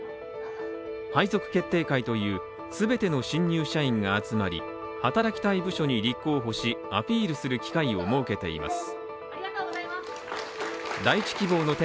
配属決定会という全ての新入社員が集まり働きたい部署に立候補しアピールする機会を設けています。